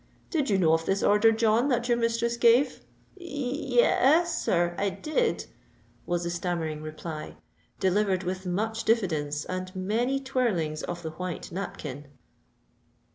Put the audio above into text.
Did you know of this order, John, that your mistress gave?" "Ye e s, sir—I did," was the stammering reply, delivered with much diffidence and many twirlings of the white napkin.